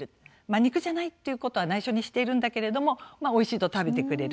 肉じゃないということはないしょにしているんだけれどもおいしいと食べてくれる。